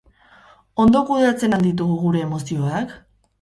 Ondo kudeatzen al ditugu gure emozioak?